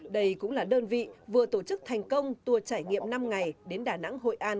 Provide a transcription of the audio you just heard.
đây cũng là đơn vị vừa tổ chức thành công tour trải nghiệm năm ngày đến đà nẵng hội an